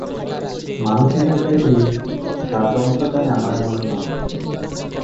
মানুষ হিসাবে এই স্বাতন্ত্র্যই আমার মহিমা।